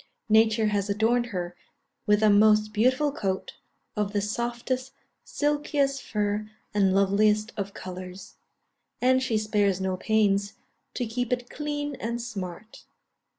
Nature has adorned her with a most beautiful coat, of the softest, silkiest fur and loveliest of colours; and she spares no pains to keep it clean and smart.